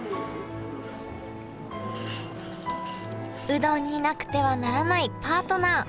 うどんになくてはならないパートナー。